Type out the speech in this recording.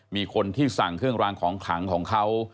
มีคนที่สั่งเครื่องรางของขลังของเขา